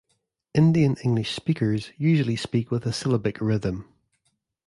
Indian-English speakers usually speak with a syllabic rhythm.